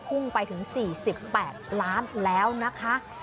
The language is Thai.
พุ่งไปถึง๔๘ล้านแล้วนะคะ